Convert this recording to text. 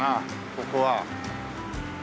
ここは。